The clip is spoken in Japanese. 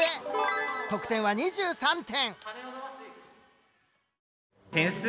得点は２３点。